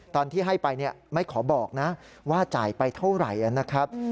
ตอนที่ให้ไปไม่ขอบอกนะว่าจ่ายไปเท่าไหร่นะครับ